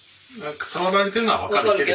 触られてるのは分かるけど。